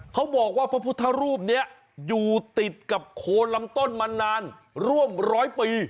เขาบอกว่าพระพุทธรูปนี้อยู่ติดกับโคนลำต้นมานานร่วมร้อยปี